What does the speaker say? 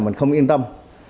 mình không yên tâm